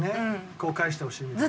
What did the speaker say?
こう返してほしいみたいなね。